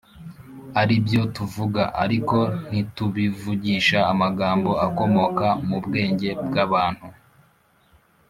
aribyo tuvuga; ariko ntitubivugisha amagambo akomoka mu bwenge bw'abantu